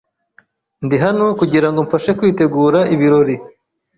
Ndi hano kugirango mfashe kwitegura ibirori.